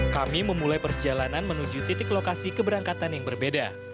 kami memulai perjalanan menuju titik lokasi keberangkatan yang berbeda